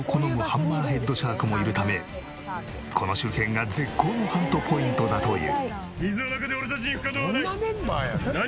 ハンマーヘッドシャークもいるためこの周辺が絶好のハントポイントだという。